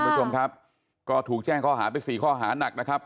คุณผู้ชมครับก็ถูกแจ้งข้อหาไปสี่ข้อหานักนะครับ